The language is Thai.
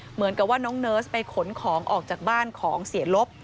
เหมือนกับว่าน้องเนิร์สไปขนของออกจากบ้านของเสียลบ